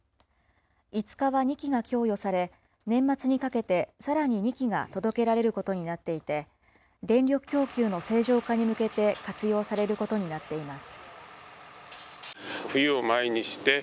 ５日は２基が供与され、年末にかけてさらに２基が届けられることになっていて、電力供給の正常化に向けて活用されることになっています。